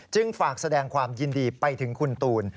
ฝากแสดงความยินดีไปถึงคุณตูน